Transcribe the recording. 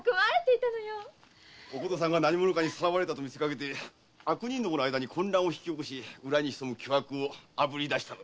お琴さんが何者かにさらわれたと見せかけて悪人どもの間に混乱を引き起こし裏に潜む巨悪をあぶり出した。